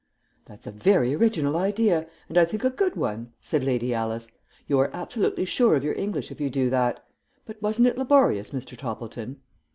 "That's a very original idea, and, I think, a good one," said Lady Alice. "You are absolutely sure of your English if you do that; but wasn't it laborious, Mr. Toppleton?"